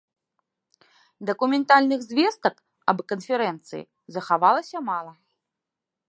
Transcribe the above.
Дакументальных звестак аб канферэнцыі захавалася мала.